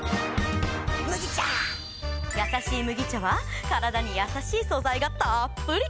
やさしい麦茶はカラダにやさしい素材がたっぷり！